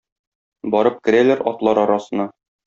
Барып керәләр атлар арасына.